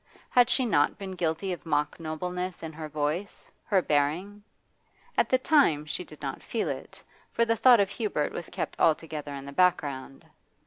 Had she not been guilty of mock nobleness in her voice, her bearing? At the time she did not feel it, for the thought of Hubert was kept altogether in the background.